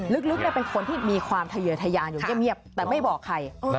ลึกเนี่ยเป็นคนที่มีความเทยยอยู่เงียบแต่ไม่บอกใคร